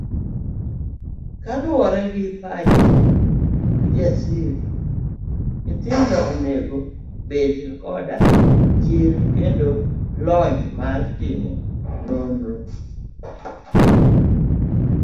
Kaluwore gi pach Kijasir, nyithindo onego obed koda chir kendo lony mar timo nonro.